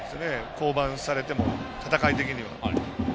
降板されても、戦い的には。